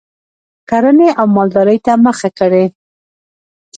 کرنې او مالدارۍ ته مخه کړي